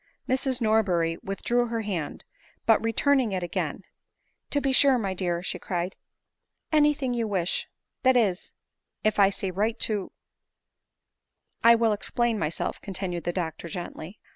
Mrs Norberry withdrew her hand ; but returning it again ;" To be sure, my dear," she cried, " any thing you wish ; that is, if I see right to "" I will explain myself," continued the doctor gently.